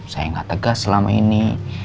saya nggak tegas selama ini